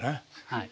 はい。